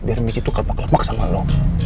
biar miki tuh kelepak kelepak sama lo